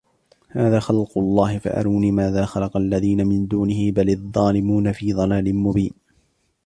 هذا خلق الله فأروني ماذا خلق الذين من دونه بل الظالمون في ضلال مبين